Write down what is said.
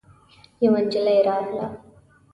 يوه نجلۍ راغله.